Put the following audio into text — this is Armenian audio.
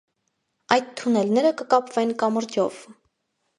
Այդ թունելները կկապվեն կամուրջով։